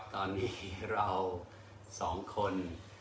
ตอนนี้เราสองคน